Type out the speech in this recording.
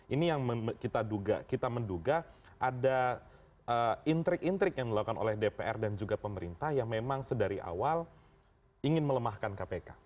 ini yang kita menduga ada intrik intrik yang dilakukan oleh dpr dan juga pemerintah yang memang sedari awal ingin melemahkan kpk